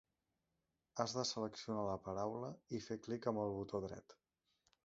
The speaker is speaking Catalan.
Has de seleccionar la paraula i fer clic amb el botó dret.